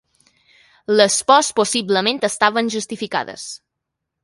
Les pors possiblement estaven justificades.